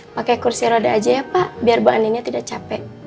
pakai kursi roda aja ya pak biar bu aninya tidak capek